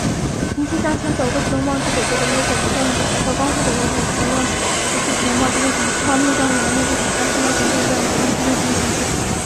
一切向前走，都不能忘记走过的路；走得再远、走到再光辉的未来，也不能忘记走过的过去，不能忘记为什么出发。面向未来，面对挑战，全党同志一定要不忘初心、继续前进。